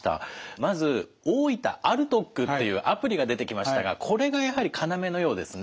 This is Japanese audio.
まずおおいた歩得っていうアプリが出てきましたがこれがやはり要のようですね。